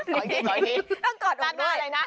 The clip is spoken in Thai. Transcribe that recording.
ต่ออีกต่ออีกต้องกอดอุ้งด้วย